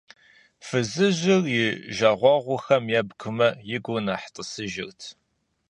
Фызыжьыр и жагъуэгъухэм ебгмэ, и губжьыр нэхъ тӀысырт.